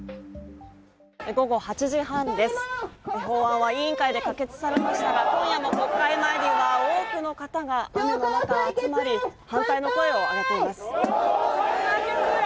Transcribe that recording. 午後８時半です、法案は委員会で可決されましたが、今夜も国会前には多くの方が雨の中、集まり反対の声を上げています。